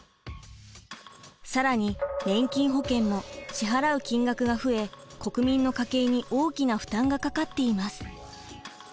更に年金保険も支払う金額が増え国民の家計に大きな負担がかかっています。